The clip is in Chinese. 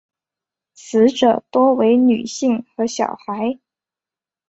死者多为女性和小孩。